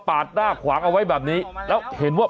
เปิดไฟขอทางออกมาแล้วอ่ะ